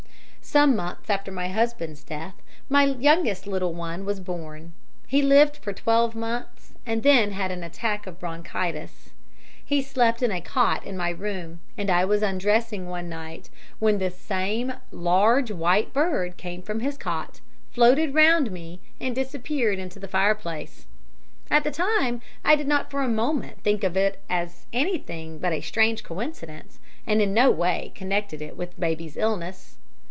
"Some months after my husband's death my youngest little one was born; he lived for twelve months, and then had an attack of bronchitis. He slept in a cot in my room, and I was undressing one night, when this same large white bird came from his cot, floated round me, and disappeared in the fireplace. At the time I did not for a moment think of it as anything but a strange coincidence, and in no way connected it with baby's illness.